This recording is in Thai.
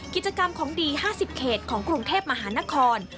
กิจกรรมของดี๕๐เขตของกรุงเทพมหานคร